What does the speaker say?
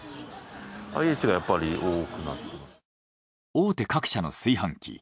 大手各社の炊飯器。